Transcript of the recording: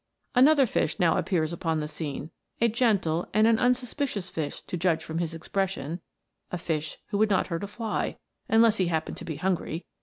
Another fish now appears upon tt*e scene, a gentle and an unsuspicious fish to judge from his expression, a fish who would not hurt a fly unless he happened to be hungry.